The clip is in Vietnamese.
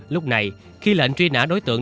lúc này khi lệnh truy nã đối tượng